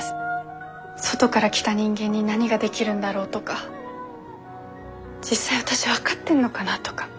外から来た人間に何ができるんだろうとか実際私分かってんのかなとか。